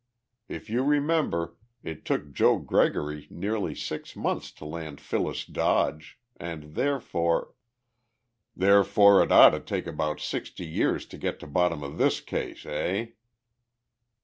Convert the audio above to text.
If you remember, it took Joe Gregory nearly six months to land Phyllis Dodge, and therefore " "Therefore it ought to take about sixty years to get to the bottom of this case, eh?"